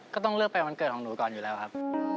ก็ต้องเลือกไปวันเกิดของหนูก่อนอยู่แล้วครับ